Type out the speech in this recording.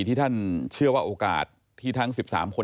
ที่ท่านเชื่อว่าโอกาสที่ทั้ง๑๓คน